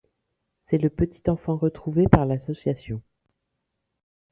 C'est le petit-enfant retrouvé par l'association.